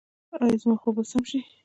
ایا زما خوب به سم شي؟